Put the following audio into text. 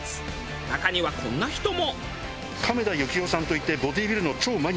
中にはこんな人も。